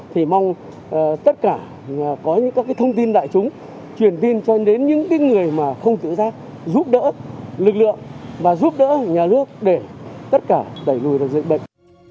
thì mong tất cả có những các thông tin đại chúng truyền tin cho đến những người mà không tự giác giúp đỡ lực lượng và giúp đỡ nhà nước để tất cả đẩy lùi được dịch bệnh